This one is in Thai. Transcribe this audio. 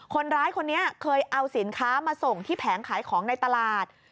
คนร้ายคนนี้เคยเอาสินค้ามาส่งที่แผงขายของในตลาด